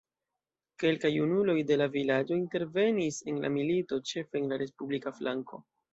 Kelkaj junuloj de la vilaĝo intervenis en la milito, ĉefe en la respublika flanko.